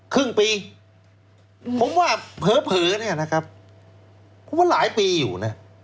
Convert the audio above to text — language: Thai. ครึ่งปีผมว่าเผลอเนี่ยนะครับผมว่าหลายปีอยู่นะ